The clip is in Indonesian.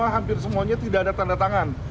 hampir semuanya tidak ada tanda tangan